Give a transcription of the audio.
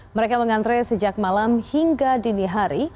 mereka mengantre sejak malam hingga dini hari